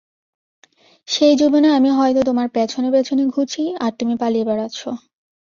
সেই জীবনে আমি হয়তো তোমার পেছনে-পেছনে ঘুরছি, আর তুমি পালিয়ে বেড়াচ্ছ।